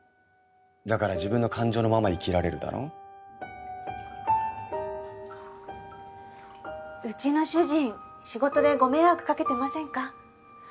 だから自分の感情のまま生きられるだろうちの主人仕事でご迷惑かけてませんか？